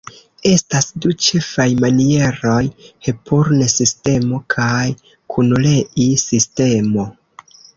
Estas du ĉefaj manieroj: Hepurn-sistemo kaj Kunrei-sistemo.